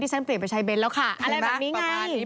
เป็นแล้วค่ะอะไรแบบนี้ไง